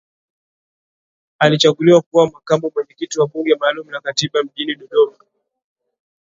Alichaguliwa kuwa makamu mwenyekiti wa Bunge maalum la Katiba mjini Dodoma